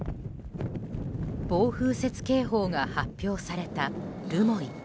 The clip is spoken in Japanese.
暴風雪警報が発表された留萌。